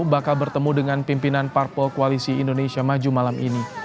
bakal bertemu dengan pimpinan parpol koalisi indonesia maju malam ini